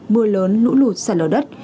mưa lớn lũ lụt sạt lở đất